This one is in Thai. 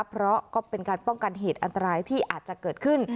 เพราะก็เป็นการป้องกันเหตุอันตรายที่อาจจะเกิดขึ้น